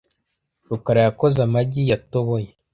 rukara yakoze amagi yatoboye .